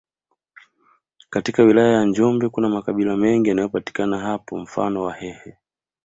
Katika wilaya ya njombe kuna makabila mengi yanayopatika hapo mfano wahehe